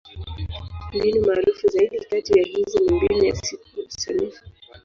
Mbinu maarufu zaidi kati ya hizo ni Mbinu ya Siku Sanifu.